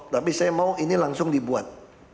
tapi saya mau ini langsung dibuat